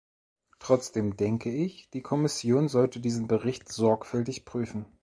Trotzdem denke ich, die Kommission sollte diesen Bericht sorgfältig prüfen.